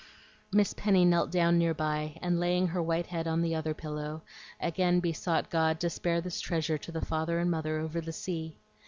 Miss Penny knelt down near by, and laying her white head on the other pillow, again besought God to spare this treasure to the father and mother over the sea.